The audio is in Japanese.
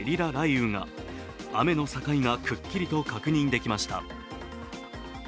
雨の境がくっきりと確認できました。